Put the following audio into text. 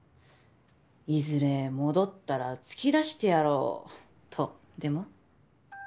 いずれ戻ったら突き出してやろうとでも？